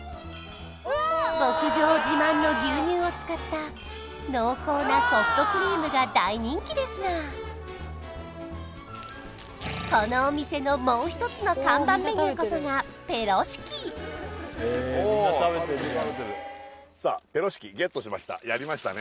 牧場自慢の牛乳を使った濃厚なソフトクリームが大人気ですがこのお店のもう一つの看板メニューこそがペロシキさあやりましたね